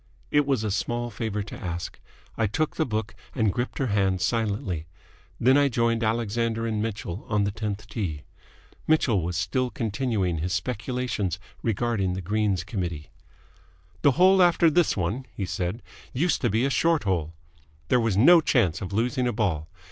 It was a small favour to ask. I took the book and gripped her hand silently. Then I joined Alexander and Mitchell on the tenth tee. Mitchell was still continuing his speculations regarding the Greens Committee. "The hole after this one," he said, "used to be a short hole. There was no chance of losing a ball.